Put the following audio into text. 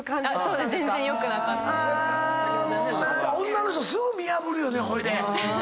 女の人すぐ見破るよねほいで。